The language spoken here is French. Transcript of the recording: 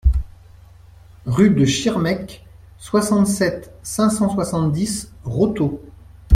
Rue de Schirmeck, soixante-sept, cinq cent soixante-dix Rothau